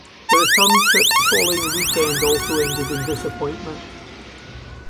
The return trip the following weekend also ended in disappointment.